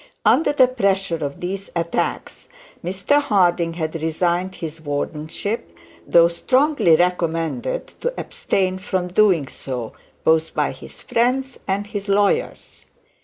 Under the pressure of these attacks, Mr Harding had resigned his wardenship, though strongly recommended to abstain from doing so, both by his friends and his lawyers.